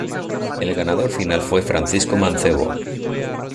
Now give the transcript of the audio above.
El ganador final fue Francisco Mancebo.